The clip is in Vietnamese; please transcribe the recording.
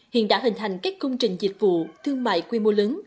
hiện đã hình thành các công trình dịch vụ thương mại quy mô lớn